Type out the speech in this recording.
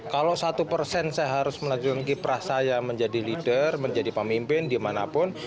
kalau satu persen saya harus menajukan kiprah saya menjadi leader menjadi pemimpin di manapun